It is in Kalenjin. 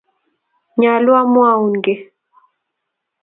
Nyaluu amwaun giy